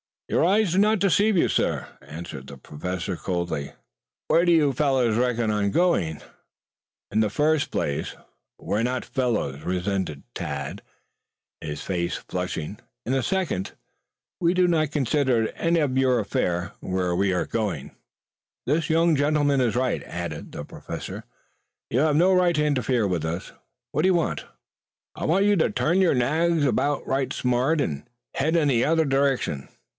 "Your eyes do not deceive you, sir," answered the Professor coldly. "Where do you fellows reckon you are going?" "In the first place, we are not fellows," resented Tad, his face flushing. "In the second, we do not consider it any of your affair where we are going." "The young gentleman is right," added the Professor. "You have no right to interfere with us. What do you want?" "I want you to turn your nags about right smart and head in the other direction.